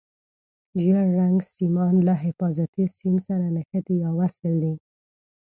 ژېړ رنګ سیمان له حفاظتي سیم سره نښتي یا وصل دي.